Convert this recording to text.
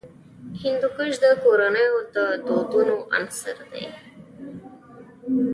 هندوکش د کورنیو د دودونو عنصر دی.